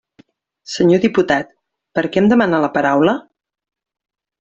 Senyor diputat, per què em demana la paraula?